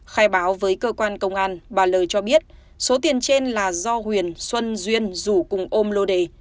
khai báo với cơ quan công an bà lời cho biết số tiền trên là do huyền xuân duyên rủ cùng ôm lô đề